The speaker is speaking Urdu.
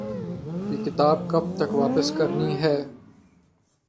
یہ کتاب کب تک واپس کرنی ہے؟